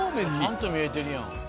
ちゃんと見えてるやん。